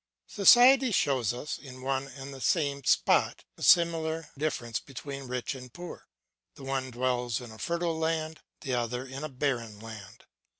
Society shows us, in one and the same spot, a similar difference between rich and poor. The one dwells in a fertile land, the other in a barren land.